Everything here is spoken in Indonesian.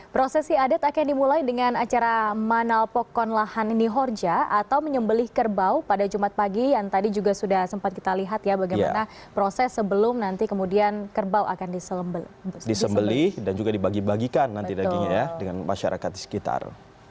prosesi adat akan dimulai dengan acara manal pokon lahan nihorja atau menyembelih kerbau pada jumat pagi yang tadi juga sudah sempat kita lihat ya bagaimana proses sebelum nanti kemudian kerbau akan disembelih dan juga dibagi bagikan nanti lagi ya dengan masyarakat di sekitar